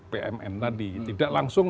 pmn tadi tidak langsung